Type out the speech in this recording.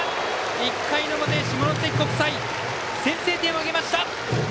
１回の表、下関国際先制点を挙げました。